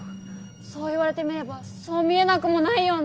そう言われてみればそう見えなくもないような。